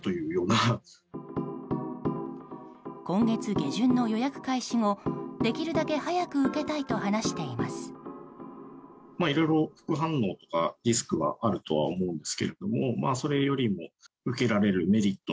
今月下旬の予約開始後できるだけ早く受けたいと話しています。